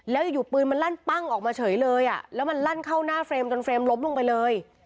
แล้วอยู่ปืนมันลั่นปั้งออกมาเฉยเลยอ่ะแล้วมันลั่นเข้าหน้าเฟรมจนเฟรมล้มลงไปเลย